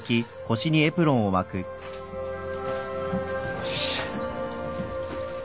よし。